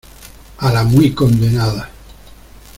a la muy condenada.